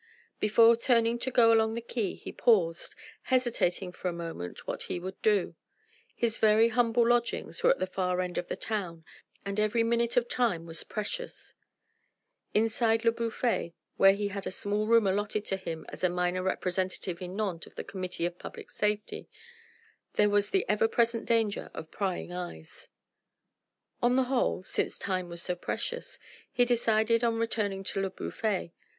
Before turning to go along the quay he paused, hesitating for a moment what he would do. His very humble lodgings were at the far end of the town, and every minute of time was precious. Inside Le Bouffay, where he had a small room allotted to him as a minor representative in Nantes of the Committee of Public Safety, there was the ever present danger of prying eyes. On the whole since time was so precious he decided on returning to Le Bouffay.